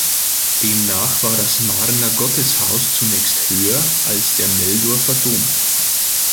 Demnach war das Marner Gotteshaus zunächst höher als der Meldorfer Dom.